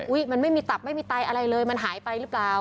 มันไม่มีตับไม่มีไตอะไรเลยมันหายไปหรือเปล่า